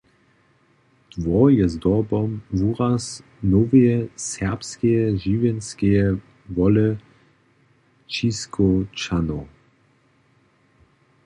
Dwór je zdobom wuraz noweje "serbskeje" žiwjenskeje wole Ćiskowčanow.